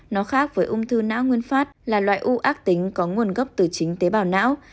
nó khác với ung thư não nguyên phát là loại u ác tính có nguồn gốc từ chính tế bào não